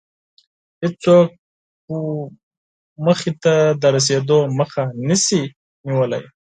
هېڅوک مو موخې ته د رسېدو مخه نشي نيولی.